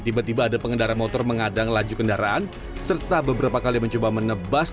tiba tiba ada pengendara motor mengadang laju kendaraan serta beberapa kali mencoba menebas